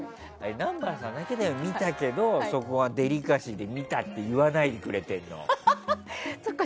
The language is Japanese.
南原さんだけだよ見たけど、デリカシーで見たって言わないでくれているので。